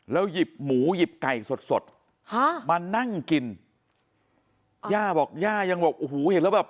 หยิบหมูหยิบไก่สดสดฮะมานั่งกินย่าบอกย่ายังบอกโอ้โหเห็นแล้วแบบ